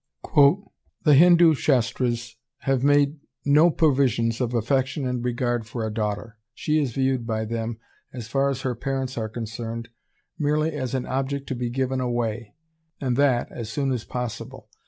] "The Hindu Shastras have made no provisions of affection and regard for a daughter. She is viewed by them, as far as her parents are concerned, merely as an object to be 'given away,' and that as soon as possible.